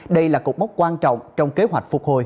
đây là cục mốc quan trọng trong kế hoạch phục hồi